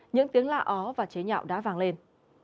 những tiếng la ó và chế nhạo đã vang lên